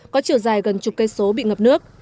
có chiều dài gần chục cây số bị ngập nước